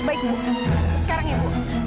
baik bu sekarang ya bu